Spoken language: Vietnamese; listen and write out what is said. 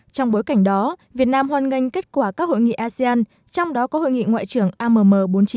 trong bối cảnh đó việt nam hoàn ngành kết quả các hội nghị asean trong đó có hội nghị ngoại trưởng amm bốn mươi chín